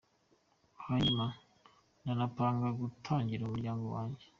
Hanyuma , ndanapanga gutangira umuryango wanjye”.